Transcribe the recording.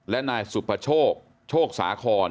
และนสุปชกโชกสีคร